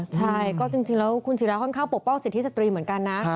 ใช่ก็จริงแล้วคุณศิราค่อนข้างปกป้องสิทธิสตรีเหมือนกันนะ